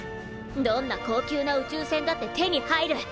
どんな高級な宇宙船だって手に入る！